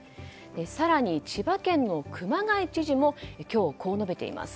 更に、千葉県の熊谷知事も今日こう述べています。